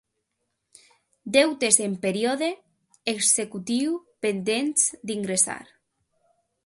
Deutes en període executiu pendents d'ingressar.